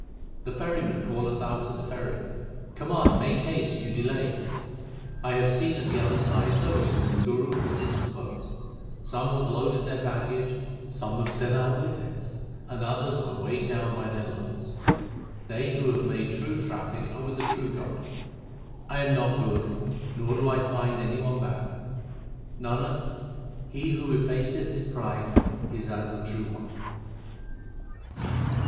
The ferryman calleth out at the ferry, Come on, make haste ; you delay. 1 have seen at the other side those whom the Guru put into the boat. Some have loaded their baggage, some have set out with it, and others are weighed down by their loads. They who have made true traffic are with the true God. I am not good, nor do I find any one bad. Nanak, he who effaceth his pride is as the True One.